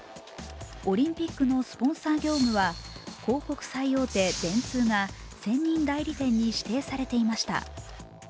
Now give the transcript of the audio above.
オリンピックのスポンサー業務は広告最大手・電通が専任代理店に指定されていました。